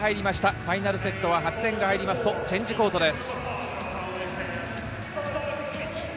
ファイナルセットは８点が入るとチェンジコートです。